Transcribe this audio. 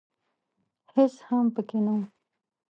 هېڅ هم پکښې نه و .